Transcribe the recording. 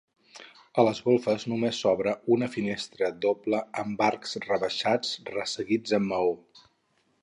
A les golfes només s'obre una finestra doble amb arcs rebaixats resseguits amb maó.